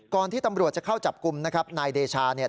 ที่ตำรวจจะเข้าจับกลุ่มนะครับนายเดชาเนี่ย